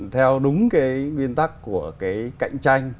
theo đúng cái biên tắc của cái cạnh tranh